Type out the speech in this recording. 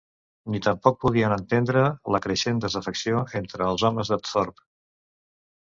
Ni tampoc podien entendre la creixent desafecció entre els homes de Thorpe.